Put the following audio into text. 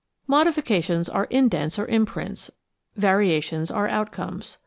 Modifications are indents or imprints, variations are out comes.